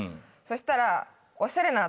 そしたら。